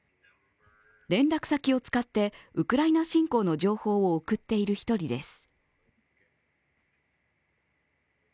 連絡先を使って、ウクライナ侵攻の情報を送っている一人です。